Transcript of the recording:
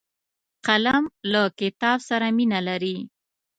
قلم له کتاب سره مینه لري